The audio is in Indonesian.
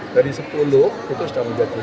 dari sepuluh itu sudah menjadi